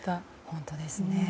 本当ですね。